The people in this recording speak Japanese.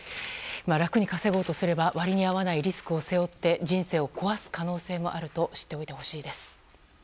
楽に稼ごうとすれば割に合わないリスクを背負って人生を壊す可能性もあると知っておいてほしいです。